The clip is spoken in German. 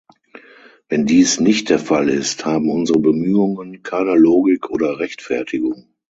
Wenn dies nicht der Fall ist, haben unsere Bemühungen keine Logik oder Rechtfertigung.